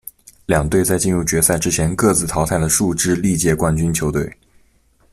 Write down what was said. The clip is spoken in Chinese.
两队在进入决赛之前各自淘汰了数支历届冠军球队。